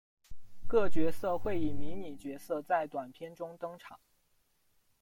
各角色会以迷你角色在短篇中登场。